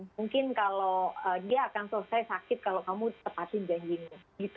mungkin kalau dia akan selesai sakit kalau kamu tepatin janjimu